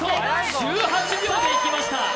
１８秒でいきました。